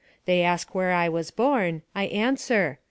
They ask where I was born; I answer.